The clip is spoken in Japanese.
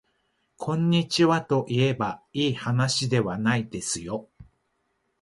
こんにちはといえばいいはなしではないですよ